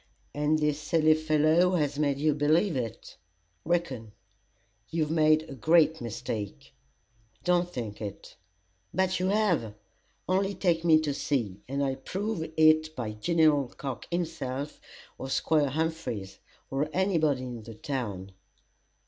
"And this silly fellow has made you believe it?" "Reckon!" "You've made a great mistake." "Don't think it." "But you have: Only take me to C , and I'll prove it by General Cocke, himself, or Squire Humphries, or any body in the town."